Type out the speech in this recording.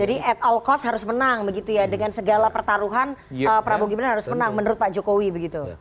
jadi at all cost harus menang begitu ya dengan segala pertaruhan prabowo gibran harus menang menurut pak jokowi begitu